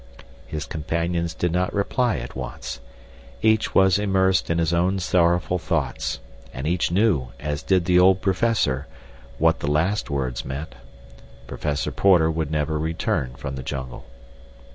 His companions did not reply at once. Each was immersed in his own sorrowful thoughts, and each knew, as did the old professor, what the last words meant—Professor Porter would never return from the jungle.